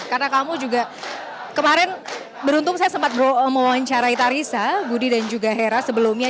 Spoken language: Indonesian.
karena kamu juga kemarin beruntung saya sempat mewawancarai tarisa budi dan juga hera sebelumnya